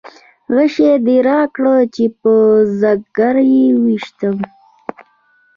غشی دې راکړه چې په ځګر یې وویشتم.